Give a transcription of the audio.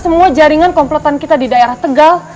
semua jaringan komplotan kita di daerah tegal